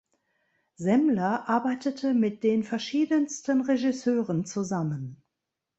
Semler arbeitete mit den verschiedensten Regisseuren zusammen.